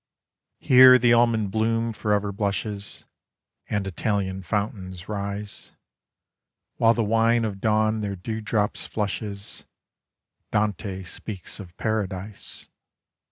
Here the almond bloom for ever blushes, And Italian fountains rise; While the wine of dawn their dewdrops flushes, Dante speaks of Paradise.